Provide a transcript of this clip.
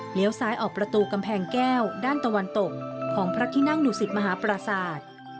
ซ้ายออกประตูกำแพงแก้วด้านตะวันตกของพระที่นั่งดุสิตมหาปราศาสตร์